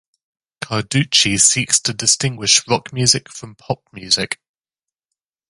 Carducci seeks to distinguish rock music from pop music.